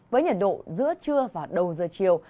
với nhiệt độ giữa trưa và đầu giờ chiều